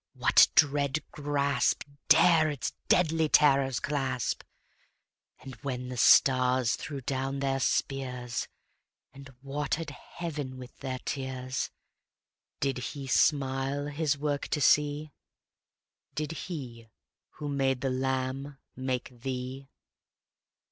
What dread grasp Dare its deadly terrors clasp? When the stars threw down their spears, And water'd heaven with their tears, Did He smile His work to see? Did He who made the lamb make thee?